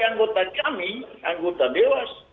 anggota kami anggota dewas